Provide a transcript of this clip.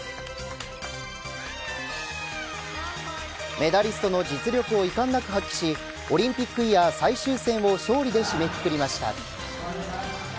メダリストの実力をいかんなく発揮しオリンピックイヤー最終戦を勝利で締めくくりました。